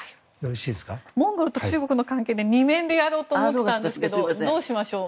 モンゴルと中国の関係は２面でやろうと思っていたんですがどうしましょう。